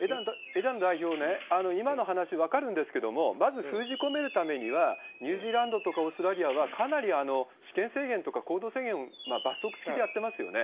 枝野代表ね、今の話、分かるんですけれども、まず封じ込めるためには、ニュージーランドとか、オーストラリアは、かなり私権制限とか行動制限を罰則付きでやってますよね。